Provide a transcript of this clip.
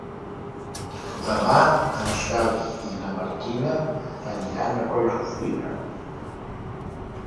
Demà en Xavi i na Martina aniran a Collsuspina.